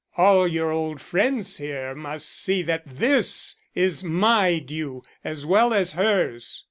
All your old friends here must see that this is my due as well as hers."